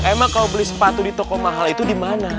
emang kalau beli sepatu di toko mahal itu di mana